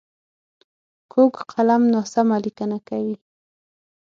کوږ قلم ناسمه لیکنه کوي